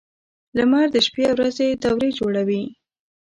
• لمر د شپې او ورځې دورې جوړوي.